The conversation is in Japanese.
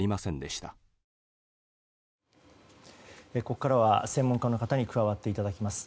ここからは専門家の方に加わっていただきます。